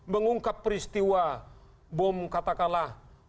mengungkap peristiwa bom katakanlah